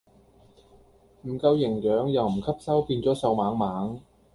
唔夠營養又唔吸收變左瘦猛猛